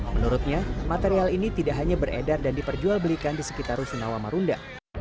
menurutnya material ini tidak hanya beredar dan diperjual belikan di sekitar rusunawa marunda